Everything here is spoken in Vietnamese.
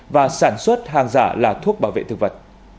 và sản xuất hàng giả là thuốc bảo vệ thực vật